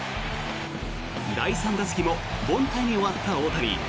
第３打席も凡退に終わった大谷。